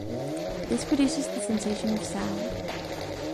This produces the sensation of sound.